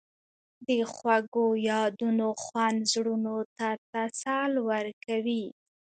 د خوږو یادونو خوند زړونو ته تسل ورکوي.